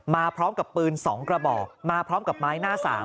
มาพร้อมกับปืน๒กระบอกมาพร้อมกับไม้หน้า๓